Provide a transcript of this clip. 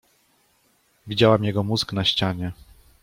Widziałam jego mózg na ścianie.